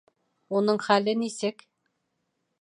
Уның хәле нисек?